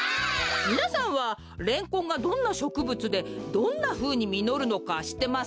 みなさんはレンコンがどんなしょくぶつでどんなふうにみのるのかしってますか？